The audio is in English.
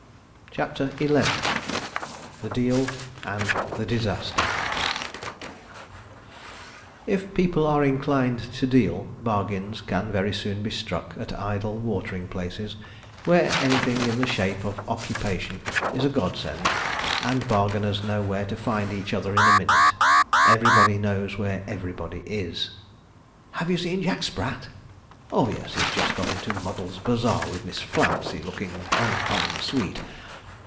CHAPTER XI THE DEAL, AND THE DISASTER If people are inclined to deal, bargains can very soon be struck at idle watering places, where anything in the shape of occupation is a godsend, and bargainers know where to find each other in a minute. Everybody knows where everybody is. 'Have you seen Jack Sprat?' 'Oh yes; he's just gone into Muddle's Bazaar with Miss Flouncey, looking uncommon sweet.'